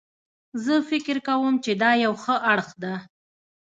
زه فکر کوم چې دا یو ښه اړخ ده